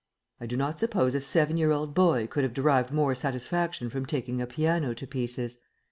I do not suppose a seven year old boy could have derived more satisfaction from taking a piano to pieces.